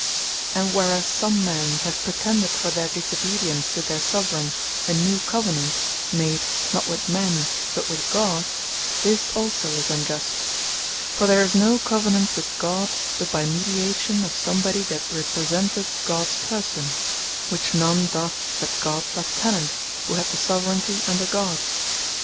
And whereas some men have pretended for their disobedience to their Soveraign, a new Covenant, made, not with men, but with God; this also is unjust: for there is no Covenant with God, but by mediation of some body that representeth Gods Person; which none doth but Gods Lieutenant, who hath the Soveraignty under God.